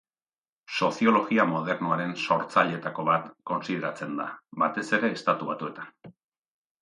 Soziologia modernoaren sortzailetako bat kontsideratzen da, batez ere Estatu Batuetan.